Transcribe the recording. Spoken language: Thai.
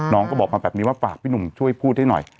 น้องก็บอกมาแบบนี้ว่าฝากพี่หนุ่มช่วยพูดให้หน่อย